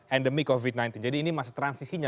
endemi covid sembilan belas jadi ini masa transisinya